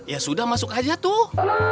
ya sudah masuk aja tuh